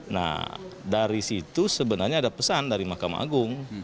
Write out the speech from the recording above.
nah dari situ sebenarnya ada pesan dari mahkamah agung